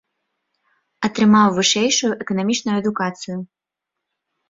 Атрымаў вышэйшую эканамічную адукацыю.